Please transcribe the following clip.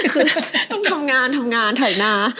คือต้องทำงานทำงานถ่ายหน้า